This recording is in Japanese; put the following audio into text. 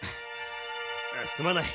すまない。